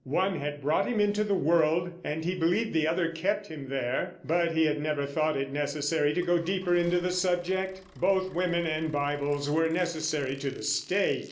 One had brought him into the world, and he believed the other kept him there; but he had never thought it necessary to go deeper into the subject. Both women and Bibles were necessary to the State.